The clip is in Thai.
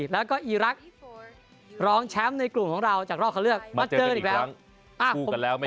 แล้วก็อีรักษ์รองแชมป์ในกลุ่มของเราจากรอบเขาเลือกมาเจอกันอีกแล้ว